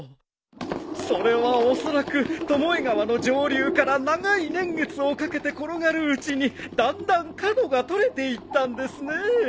それはおそらく巴川の上流から長い年月をかけて転がるうちにだんだん角が取れていったんですねえ。